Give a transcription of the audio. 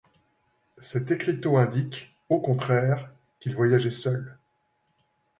Cet écriteau indique, au contraire, qu’il voyageait seul.